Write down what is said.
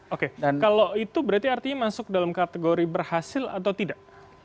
oke kalau itu berarti artinya masuk dalam kategori berhasil atau tidak